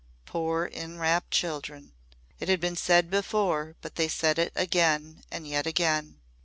Poor enrapt children! It has been said before, but they said it again and yet again.